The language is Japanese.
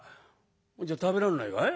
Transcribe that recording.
「じゃあ食べらんないかい？」。